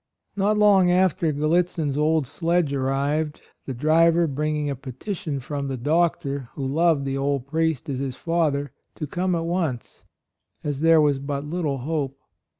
Not long after Gal litzin's old sledge arrived, the driver bringing a petition from the doctor (who loved the old priest as his father ) to come at once, as there was but little hope.